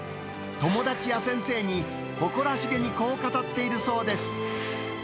友達や先生に、誇らしげにこう語っているそうです。